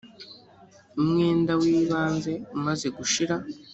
umwenda w’ ibanze umaze gushira.